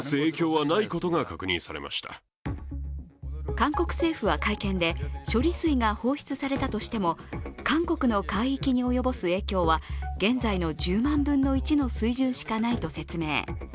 韓国政府は会見で、処理水が放出されたとしても、韓国の海域に及ぼす影響は現在の１０万分の１の水準しかないと説明。